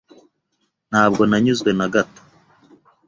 Ntabwo nanyuzwe na gato.